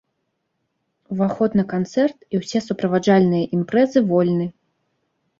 Уваход на канцэрт і ўсе суправаджальных імпрэзы вольны.